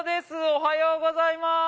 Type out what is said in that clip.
おはようございます。